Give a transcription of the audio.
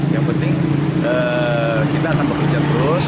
yang penting kita akan bekerja terus